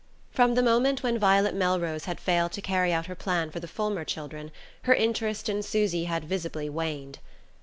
From the moment when Violet Melrose had failed to carry out her plan for the Fulmer children her interest in Susy had visibly waned.